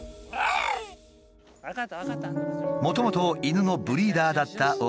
もともと犬のブリーダーだった緒方さん。